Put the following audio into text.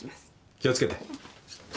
気を付けて。